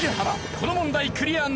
この問題クリアなるか！？